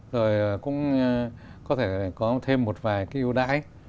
rồi cũng có thể có thêm một vài cái ưu đãi